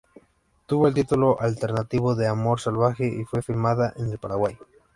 Tuvo el título alternativo de Amor salvaje y fue filmada en el Paraguay.